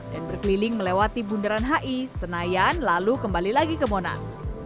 dan berkeliling melewati bundaran hi senayan lalu kembali lagi ke monas